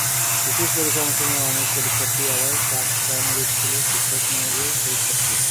BCS পরীক্ষায় অংশ নেওয়া অনেক পরীক্ষার্থীই আবার প্রাক্-প্রাইমারি স্কুলের শিক্ষক নিয়োগের পরীক্ষার্থী।